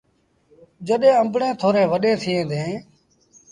جڏهيݩ آݩبڙيٚن ٿوريٚݩ وڏيݩ ٿئيٚݩ ديٚݩ۔